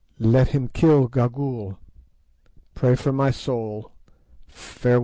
Let him kill Gagool. Pray for my soul. Farewell.